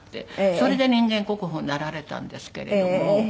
それで人間国宝になられたんですけれども。